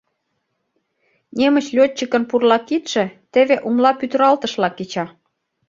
Немыч лётчикын пурла кидше теве умла пӱтыралтышла кеча.